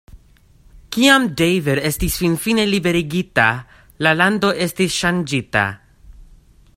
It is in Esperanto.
Kiam David estis finfine liberigita, la lando estis ŝanĝita.